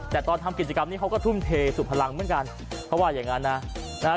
แต่ตอนทำกิจกรรมนี้เขาก็ทุ่มเทสุดพลังเหมือนกันเขาว่าอย่างงั้นนะนะฮะ